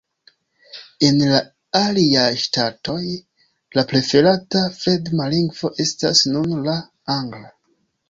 En la aliaj ŝtatoj, la preferata fremda lingvo estas nun la angla.